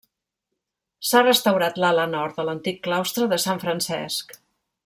S'ha restaurat l'ala nord de l'antic Claustre de Sant Francesc.